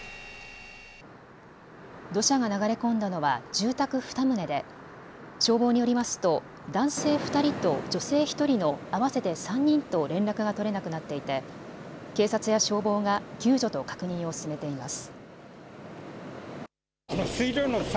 土砂が流れ込んだのは住宅２棟で消防によりますと男性２人と、女性１人の合わせて３人と連絡が取れなくなっていて警察や消防が救助と確認を進めています。